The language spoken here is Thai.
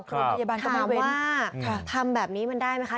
ค่ะถามว่าค่ะทำแบบนี้มันได้ไหมค่ะ